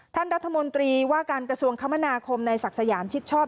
ท่านรัฐมนตรีว่าการกระทรวงคมนาคมในศักดิ์สยามชิดชอบ